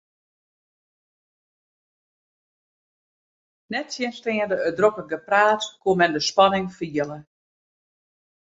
Nettsjinsteande it drokke gepraat koe men de spanning fiele.